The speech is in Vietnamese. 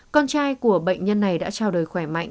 con trai của bệnh nhân này đã trao đời khỏe mạnh